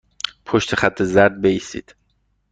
پشت خط زرد بایستید.